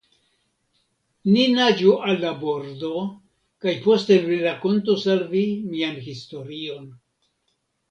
Ni naĝu al la bordo, kaj poste mi rakontos al vi mian historion.